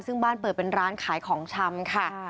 ซึ่งบ้านเปิดเป็นร้านขายของชำค่ะ